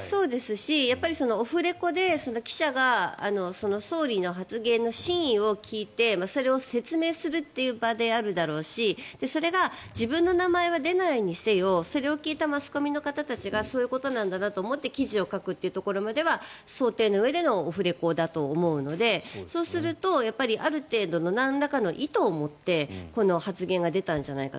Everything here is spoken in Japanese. そうですしやっぱりオフレコで記者が総理の発言の真意を聞いてそれを説明するという場であるだろうしそれが自分の名前は出ないにせよそれを聞いたマスコミの方たちがそういうことなんだなと思って記事を書くところまでは想定の上でのオフレコだと思うのでそうすると、ある程度のなんらかの意図を持ってこの発言が出たんじゃないかと。